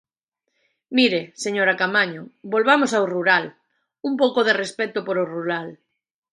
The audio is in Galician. Mire, señora Caamaño, volvamos ao rural, un pouco de respecto polo rural.